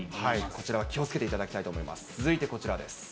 こちらは気をつけていただきたいと思います。